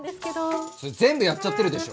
それ全部やっちゃってるでしょ。